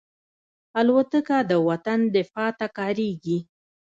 الوتکه د وطن دفاع ته کارېږي.